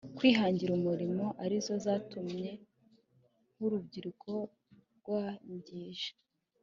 kwihangira umurimo arizo zatumye nk'urubyiruko rwarangije